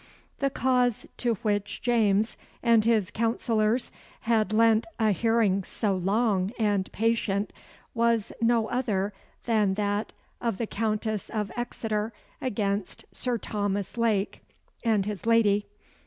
The cause to which James and his Councillors had lent a hearing so long and patient, was no other than that of the Countess of Exeter against Sir Thomas Lake and his Lady.